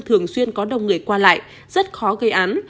thường xuyên có đông người qua lại rất khó gây án